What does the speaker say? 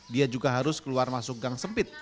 dia juga harus keluar masuk gang sempit